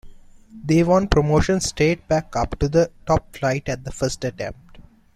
They won promotion straight back up to the top flight at the first attempt.